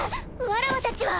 わらわたちは。